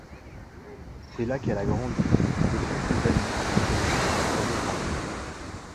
C'est là qu'elle a grandi, que sont ses amis, qu'elle vit son premier amour.